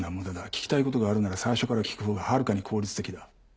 聞きたい事があるなら最初から聞くほうがはるかに効率的だ。